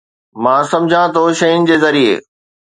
مان سمجهان ٿو شين ذريعي